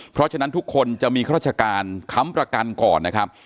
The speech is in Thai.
เพราะฉะนั้นทุกคนจะมีข้าราชการค้ำประกันก่อนนะครับ